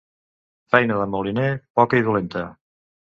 Feina de moliner, poca i dolenta.